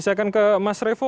saya akan ke mas revo